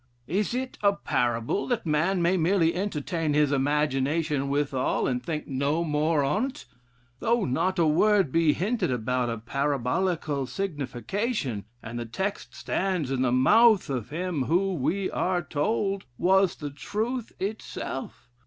"Is it a parable that a man may merely entertain his imagination withal, and think no more on't, though not a word be hinted about a parabolical signification, and the text stands in the mouth of him who, we are told, was the truth itself?